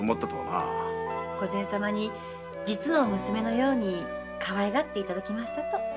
御前様に実の娘のようにかわいがっていただきましたと。